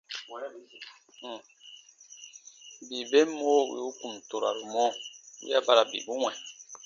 Bii ben mɔwo wì u kùn toraru mɔ, wiya ba ra bibu wɛ̃.